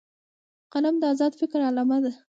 قلم د آزاد فکر علامه ده